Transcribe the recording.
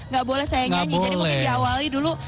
gak boleh saya nyanyi jadi mungkin diawali dulu